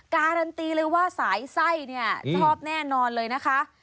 การันตีเลยว่าสายไส้เนี่ยชอบแน่นอนเลยนะคะ